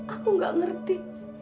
aku gak ngerti